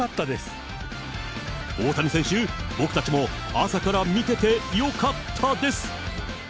大谷選手、僕たちも朝から見ててよかったです。